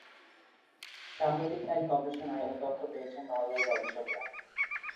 সাম্প্রতিক এক গবেষণায় এ তথ্য পেয়েছেন নরওয়ের গবেষকেরা।